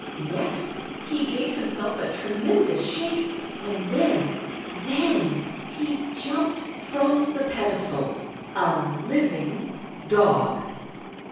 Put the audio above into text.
Next he gave himself a tremendous shake, and then — then — he jumped from the pedestal — a liv ing Dog!